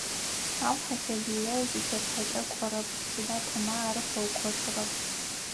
Ау хьылъэ лые зытеплъхьэкӏэ кӏорэп, сыда пӏомэ ар фэукӏочӏырэп.